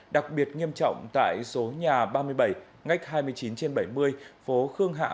đặc biệt nghiêm trọng tại số nhà ba mươi bảy ngách hai mươi chín trên bảy mươi phố khương hạ